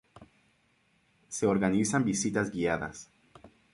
Se organizan visitas guiadas.